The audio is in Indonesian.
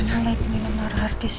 gak ada orang yang artis